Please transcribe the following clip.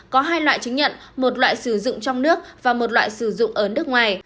có hai loại chứng nhận một loại sử dụng trong nước và một loại sử dụng ở nước ngoài